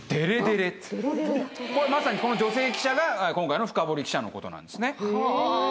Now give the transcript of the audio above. これまさにこの女性記者が今回のフカボリ記者のことなんですね。